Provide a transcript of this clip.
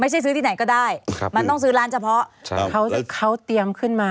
ซื้อที่ไหนก็ได้มันต้องซื้อร้านเฉพาะเขาเตรียมขึ้นมา